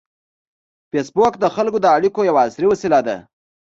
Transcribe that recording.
فېسبوک د خلکو د اړیکو یوه عصري وسیله ده